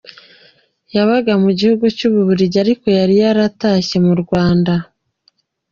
Yabaga mu gihugu cy’Ububiligi ariko yari yaratashye mu Rwanda.